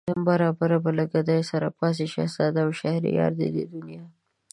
برابر به له گدايه سره پاڅي شهزاده و شهريار د دې دنیا